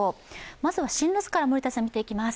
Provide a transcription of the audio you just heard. まずは進路図から見ていきます。